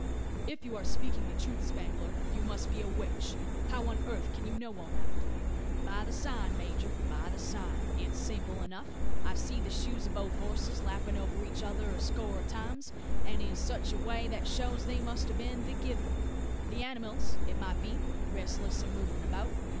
"If you are speaking the truth, Spangler, you must be a witch. How on earth can you know all that?" "By the sign, major; by the sign. It's simple enough. I see the shoes of both horses lapping over each other a score of times; and in such a way that shows they must have been thegither the animals, it might be, restless and movin' about.